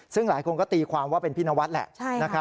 ซึ่งหลายคนก็ตีความว่าเป็นพี่นวัดแหละ